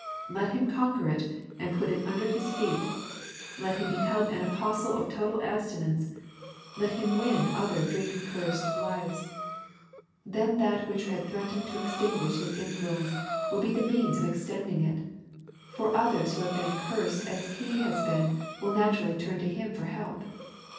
Let him conquer it, and put it under his feet; let him become an apostle of total absti nence; let bim win other drink cursed lives. Then that 3.n.iized by Google The Supreme Motive. 45 which had threatened to extinguish his influence will be the means of extending it, for others who have been cursed as he has been will naturally turn to him for help.